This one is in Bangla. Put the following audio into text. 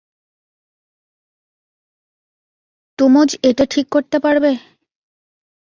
তুমজ এটা ঠিক করতে পারবে?